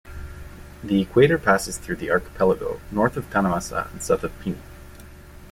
The equator passes through the archipelago, north of Tanahmasa and south of Pini.